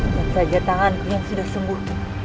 lihat saja tanganku yang sudah sembuh